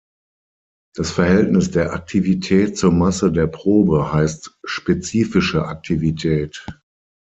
Das Verhältnis der Aktivität zur Masse der Probe heißt "spezifische Aktivität".